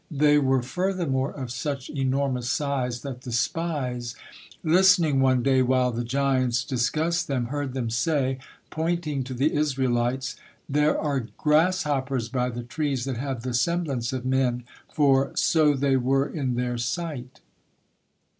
They were furthermore of such enormous size that the spies, listening one day while the giants discussed them, heard them say, pointing to the Israelites: "There are grasshoppers by the trees that have the semblance of men," for "so they were in their sight."